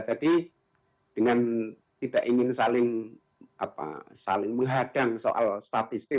dengan tidak ingin saling menghadang soal statistik